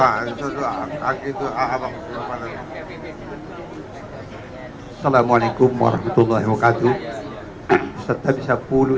assalamualaikum warahmatullahi wabarakatuh